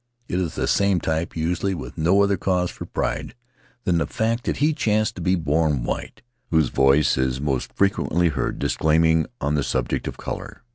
It is the same type, usually with no other cause for pride than the fact that he chanced to be born white, whose voice is most frequently heard declaiming on the subject of color.